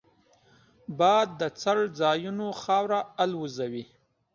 باد د څړځایونو خاوره الوزوي